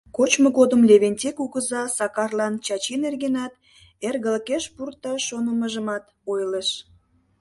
Кочмо годым Левентей кугыза Сакарлан Чачи нергенат, эргылыкеш пурташ шонымыжымат ойлыш.